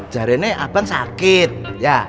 jarennya abang sakit ya